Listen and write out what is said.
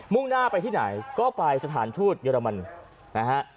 ่งหน้าไปที่ไหนก็ไปสถานทูตเยอรมันนะฮะ